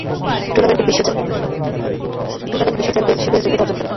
Tournament বিশ্ব চ্যাম্পিয়নশিপের যোগ্যতা অর্জন করে।